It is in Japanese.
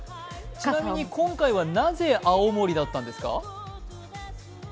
ちなみに今回はなぜ青森だったんですか？